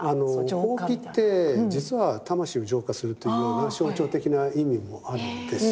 ほうきって実は魂を浄化するというような象徴的な意味もあるんですよね。